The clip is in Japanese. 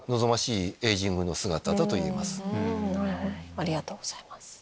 ありがとうございます。